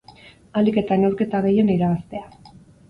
Ahalik eta neurketa gehien irabaztea.